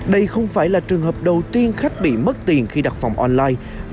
đây không phải là trường hợp đầu tiên khách bị mất tiền khi đặt phòng online